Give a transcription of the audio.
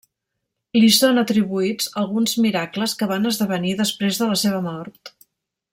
Li són atribuïts alguns miracles que van esdevenir després de la seva mort.